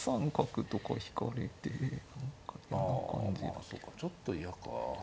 まあそうかちょっと嫌か。